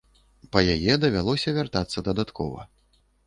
Па яе давялося вяртацца дадаткова.